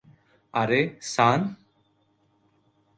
আরে, সান?